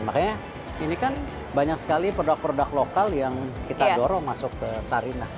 makanya ini kan banyak sekali produk produk lokal yang kita dorong masuk ke sarina